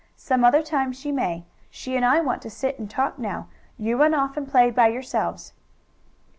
Some other time she may. She and I want to sit and talk now. You run off and play by yourselves."